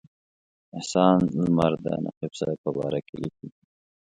احسان لمر د نقیب صاحب په باره کې لیکي.